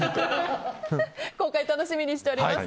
公開、楽しみにしております。